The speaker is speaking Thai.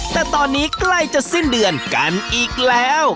แต่ตอนนี้ใกล้จะสิ้นเดือนกันอีกแล้ว